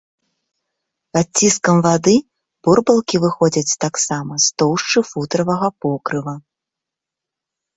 Пад ціскам вады бурбалкі выходзяць таксама з тоўшчы футравага покрыва.